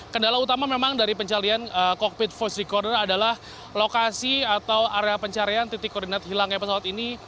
kendala utama memang dari pencarian cockpit voice recorder adalah lokasi atau area pencarian titik koordinat hilangnya pesawat ini